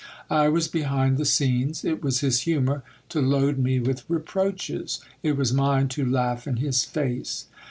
I was behind the scenes. It was his humour to load me with reproaches ; it was mine to laugh in his face.